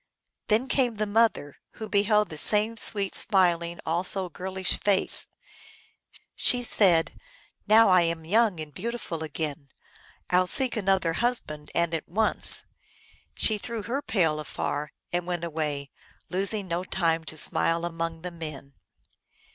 Then came the mother, who beheld the same sweet, smiling, also girlish face. She, said, " Now I am young and beautiful again ; I 11 seek another husband, and at once." She threw her pail afar and went away, losing no time to smile among the men.